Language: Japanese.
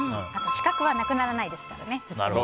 資格はなくならないですから。